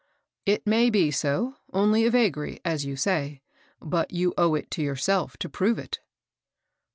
" It may be so, — only a vagary, as you say ; but you owe it to yourself to prove it."